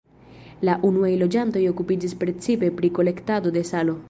La unuaj loĝantoj okupiĝis precipe pri kolektado de salo.